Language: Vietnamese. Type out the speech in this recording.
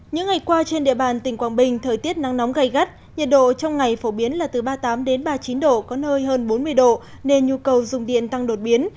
những ngày qua trên địa bàn tỉnh quảng bình thời tiết nắng nóng gây gắt nhiệt độ trong ngày phổ biến là từ ba mươi tám ba mươi chín độ có nơi hơn bốn mươi độ nên nhu cầu dùng điện tăng đột biến